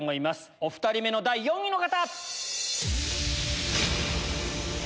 お２人目の第４位の方！